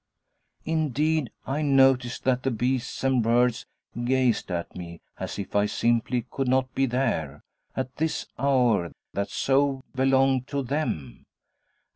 Indeed, I noticed that the beasts and birds gazed at me as if I simply could not be there, at this hour that so belonged to them.